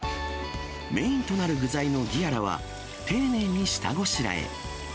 メインとなる具材のギアラは、丁寧に下ごしらえ。